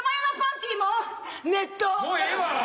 もうええわ！